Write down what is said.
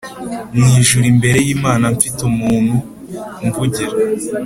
Mu ijuru imbere y’Imana mfite umuntgu umvugira